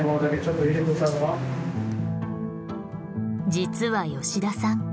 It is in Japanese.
実は吉田さん